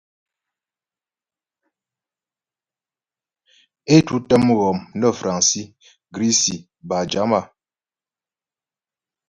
É tǔtə mghɔm nə́ fraŋsi, grisi bâ jama.